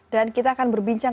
dan kita akan berbincang